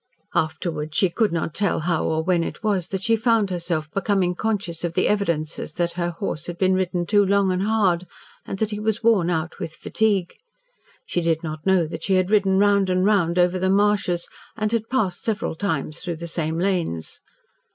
Afterwards she could not tell how or when it was that she found herself becoming conscious of the evidences that her horse had been ridden too long and hard, and that he was worn out with fatigue. She did not know that she had ridden round and round over the marshes, and had passed several times through the same lanes.